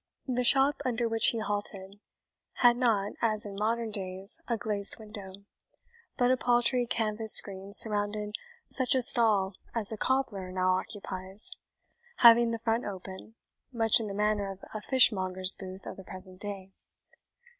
The shop under which he halted had not, as in modern days, a glazed window, but a paltry canvas screen surrounded such a stall as a cobbler now occupies, having the front open, much in the manner of a fishmonger's booth of the present day.